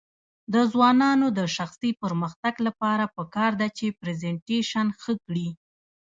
د ځوانانو د شخصي پرمختګ لپاره پکار ده چې پریزنټیشن ښه کړي.